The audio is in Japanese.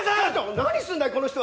何すんだいこの人は！